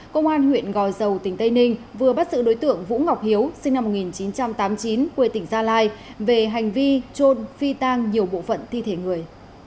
công an huyện gò dầu tỉnh tây ninh vừa bắt giữ đối tượng vũ ngọc hiếu sinh năm một nghìn chín trăm tám mươi chín quê tỉnh gia lai về hành vi trôn phi tang nhiều bộ phận thi thể người